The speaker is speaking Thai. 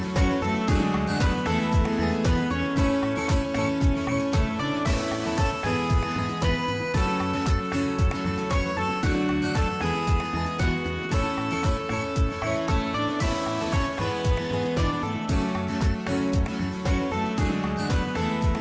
สวัสดีครับ